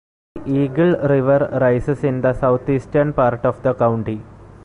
The Eagle River rises in the southeastern part of the county.